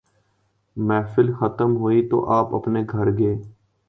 محفل ختم ہوئی تو آپ اپنے گھر گئے۔